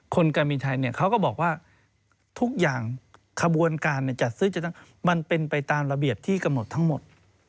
การบินไทยเขาก็บอกว่าทุกอย่างขบวนการจัดซื้อจัดตั้งมันเป็นไปตามระเบียบที่กำหนดทั้งหมด